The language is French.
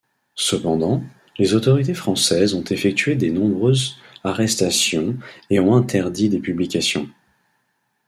Cependant, les autorités françaises ont effectué des nombreuses arrestations et ont interdit des publications.